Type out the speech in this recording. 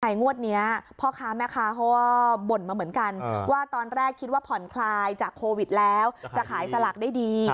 งวดนี้พ่อค้าแม่ค้าเขาก็บ่นมาเหมือนกันว่าตอนแรกคิดว่าผ่อนคลายจากโควิดแล้วจะขายสลากได้ดี